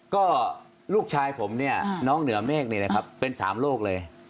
ก็ลูกชายผมเนี่ยน้องเหนือเมฆนี่นะครับเป็น๓โรคเลย